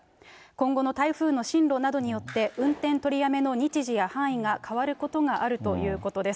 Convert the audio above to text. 今後の台風の進路などによって、運転取りやめの日時や範囲が変わることがあるということです。